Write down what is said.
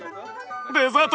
デザート！